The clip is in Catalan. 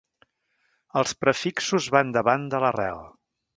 Els prefixos van davant de l'arrel.